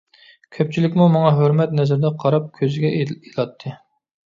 كۆپچىلىكمۇ ماڭا ھۆرمەت نەزىرىدە قاراپ كۆزىگە ئىلاتتى.